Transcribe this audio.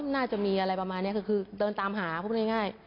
น่าจะมีอะไรประมาณนี้คือเดินตามหาพูดง่าย